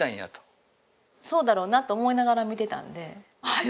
そうだろうなと思いながら見てたんではよ